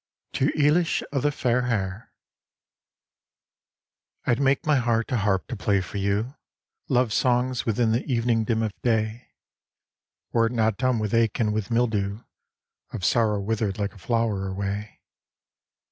TO EILISH OF THE FAIR HAIR I'd make my heart a harp to play for you Love songs within the evening dim of day, Were it not dumb with ache and with mildew Of sorrow withered like a flower away.